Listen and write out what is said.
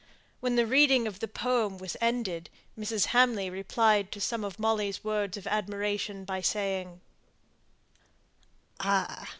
When the reading of the poem was ended, Mrs. Hamley replied to some of Molly's words of admiration, by saying: "Ah!